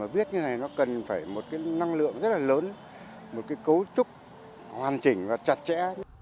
viết như thế này nó cần phải một năng lượng rất là lớn một cấu trúc hoàn chỉnh và chặt chẽ